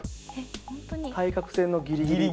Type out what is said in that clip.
対角線のギリギリ。